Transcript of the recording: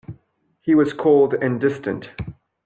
He was cold and distant.